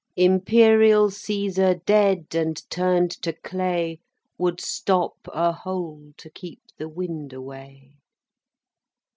Imperial Caesar dead, and turned to clay Would stop a hole to keep the wind away.